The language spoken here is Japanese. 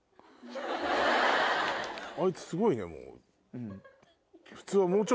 あいつすごいね。